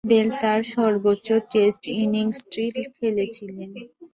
Bell তার সর্বোচ্চ test ইনিংসটি খেলেছিলেন।